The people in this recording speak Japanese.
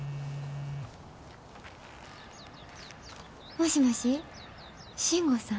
もしもし信吾さん？